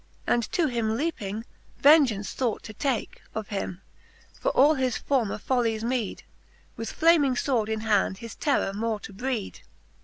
And to him leaping, vengeance thought to take Of him, for all his former follies meed, With flaming fword in hand his terror more to breed.